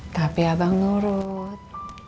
tapi abang nurut